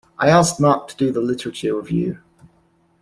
I asked Mark to do the literature review.